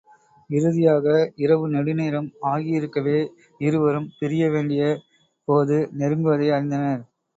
இறுதியாக, இரவு நெடுநேரம் ஆகியிருக்கவே இருவரும் பிரியவேண்டிய போது நெருங்குவதை அறிந்தனர்.